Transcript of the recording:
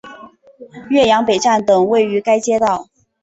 岳阳北站等位于该街道。